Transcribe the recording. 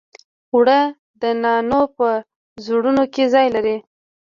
اوړه د نانو په زړونو کې ځای لري